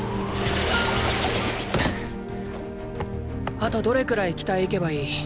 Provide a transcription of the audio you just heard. あとどれくらい北へ行けばいい？